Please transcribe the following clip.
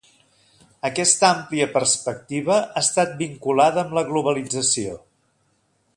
Aquesta àmplia perspectiva ha estat vinculada amb la globalització.